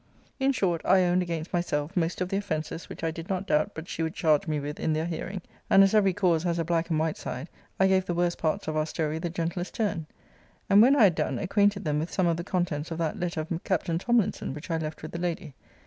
In short, 'I owned against myself most of the offences which I did not doubt but she would charge me with in their hearing; and as every cause has a black and white side, I gave the worst parts of our story the gentlest turn. And when I had done, acquainted them with some of the contents of that letter of Captain Tomlinson which I left with the lady.